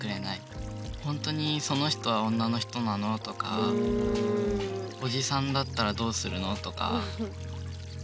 「本当にその人は女の人なの？」とか「おじさんだったらどうするの？」とか。